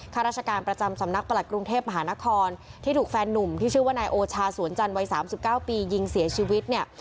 ข้าราชการประจำสำนักประหลัดกรุงเทพมหานครที่ถูกแฟนนุ่มที่ชื่อว่านายโอชาสวนจันทวัย๓๙ปียิงเสียชีวิตเนี่ย